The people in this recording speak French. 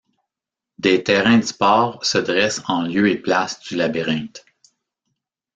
Des terrains de sport se dressent en lieu et place du labyrinthe.